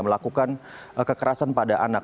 melakukan kekerasan pada anak